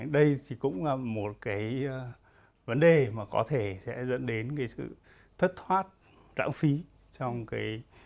đây thì cũng là một cái vấn đề mà có thể sẽ dẫn đến cái sự thất thoát lãng phí trong cái